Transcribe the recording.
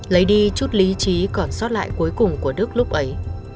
lấy đi chút lý trí còn sót lại cuối cùng của đức lúc ấy